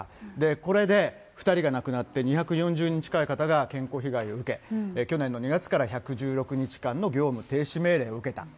これで２人が亡くなって、２４０人近い方が健康被害を受け、去年の２月から１１６日間の業務停止命令を受けた。